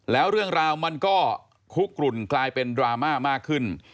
แล้วเรื่องราวมันก็คุกกลุ่นกลายเป็นดราม่ามากขึ้น